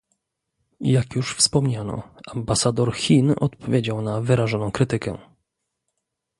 Jak już wspomniano, ambasador Chin odpowiedział na wyrażoną krytykę